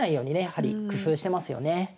やはり工夫してますよね。